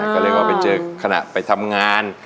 ก็เรียกว่าไปเจอขณะไปทำงาน